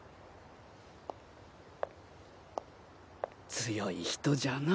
強い人じゃな。